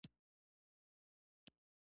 بدخشان د افغانستان د سیلګرۍ برخه ده.